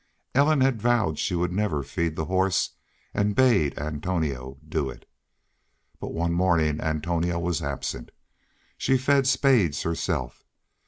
Ellen had vowed she would never feed the horse and bade Antonio do it. But one morning Antonio was absent. She fed Spades herself.